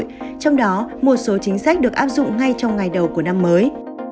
trong đó một số chính sách được áp dụng ngay trong ngày đầu của năm mới